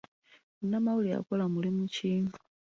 Munnamawulire akola mulimu ki?